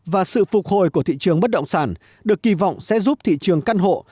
và sự phục hồi của thị trường bất động sản được kỳ vọng sẽ giúp thị trường căn hộ